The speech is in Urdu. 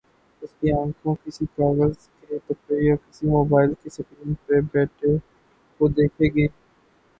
اس کے آنکھیں کسی کاغذ کے ٹکڑے یا کسی موبائل کی سکرین پر بیٹے کو دیکھیں گی۔